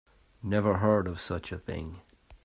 Never heard of such a thing.